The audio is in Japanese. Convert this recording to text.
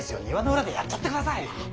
庭の裏でやっちゃってください。